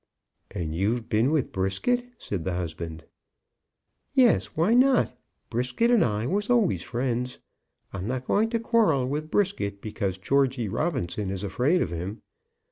"And you've been with Brisket?" said the husband. "Yes; why not? Brisket and I was always friends. I'm not going to quarrel with Brisket because Georgy Robinson is afraid of him.